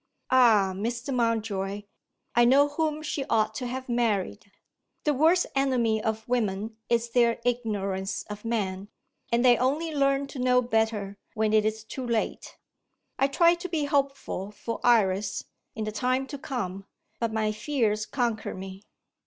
"Ah, Mr. Mountjoy, I know whom she ought to have married! The worst enemy of women is their ignorance of men and they only learn to know better, when it is too late. I try to be hopeful for Iris, in the time to come, but my fears conquer me."